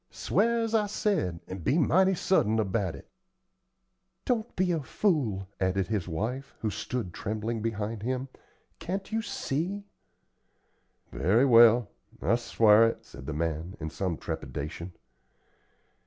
Sw'ar, as I said, and be mighty sudden about it." "Don't be a fool," added his wife, who stood trembling behind him. "Can't you see?" "Very well, I sw'ar it," said the man, in some trepidation.